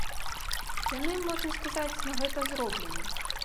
Яны, можна сказаць, на гэта зроблены.